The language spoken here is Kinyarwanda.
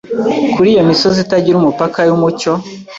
Kuri iyo misozi itagira umupaka yumucyo